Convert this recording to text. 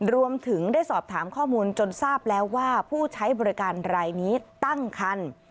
รวมถึงได้สอบถามข้อมูลจนทราบแล้วว่าผู้ใช้บริการรายนี้ตั้งคัน